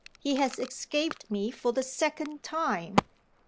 He has escaped me for the second time.